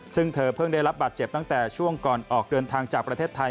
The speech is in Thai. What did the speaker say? ซึ่งเธอเพิ่งได้รับบาดเจ็บตั้งแต่ช่วงก่อนออกเดินทางจากประเทศไทย